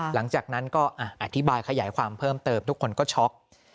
หลังจากนั้นก็อธิบายขยายความเพิ่มเติมทุกคนก็ช็อก